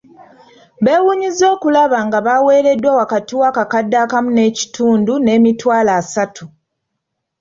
Beewunyizza okulaba nga baaweereddwa wakati w'akakadde akamu n'ekitundu n'emitwalo asatu.